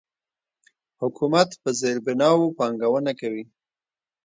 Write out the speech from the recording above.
حکومت په زیربناوو پانګونه کوي.